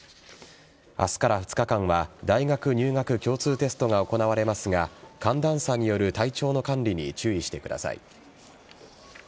明日から２日間は大学入学共通テストが行われますが寒暖差による体調の管理に注意してください。